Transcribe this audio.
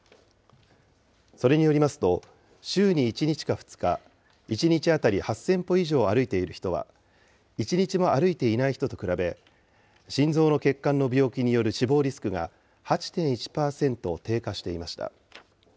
それによりますと、週に１日か２日、１日当たり８０００歩以上歩いている人は、１日も歩いていない人と比べ、心臓の血管の病気による死亡リスクが８．１％低下していました。